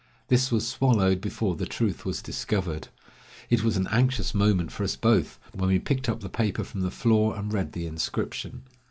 This was swallowed before the truth was discovered. It was an anxious moment for us both when we picked up the paper from the floor and read the inscription.